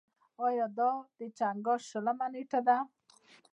دا د چنګاښ شلمه نېټه ده.